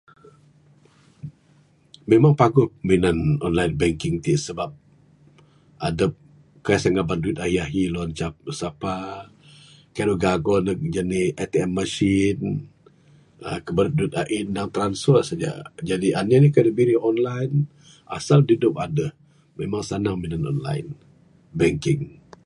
Memang paguh minan online banking tik sebab adup kasah ngaban duit ahi-ahi wang adup da sapa. Kaik ne gago nduh ATM machine uhh kiberut duit a'in. Transfer saja. Anih-nih kayuh da birih online, asal duit dup aduh. Memang sanang minan online banking.